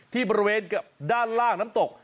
ที่บริเวณกับด้านล่างน้ำตก